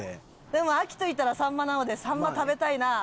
でも秋といったらサンマなのでサンマ食べたいなあ。